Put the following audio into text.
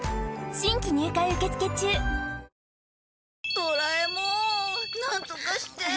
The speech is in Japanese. ドラえもんなんとかして。